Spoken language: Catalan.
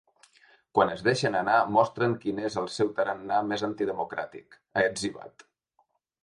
Quan es deixen anar mostren quin és el seu tarannà més antidemocràtic, ha etzibat.